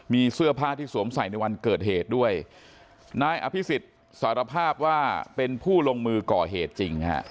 มีเสื้อผ้าที่สวมใส่ในวันเกิดเหตุด้วยนายอภิษฎสารภาพว่าเป็นผู้ลงมือก่อเหตุจริงฮะ